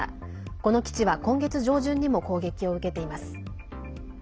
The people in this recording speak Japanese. この基地は今月上旬にも攻撃を受けています。